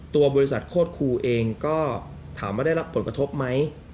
ตัวบริษัทโคตรครูเองก็ถามว่าได้รับผลกระทบไหม